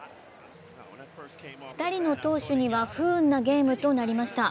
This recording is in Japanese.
２人の投手には不運なゲームとなりました。